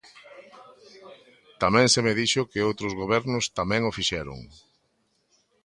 Tamén se me dixo que outros gobernos tamén o fixeron.